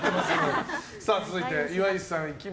続いて、岩井さん。